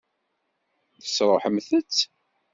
Tesṛuḥemt-t?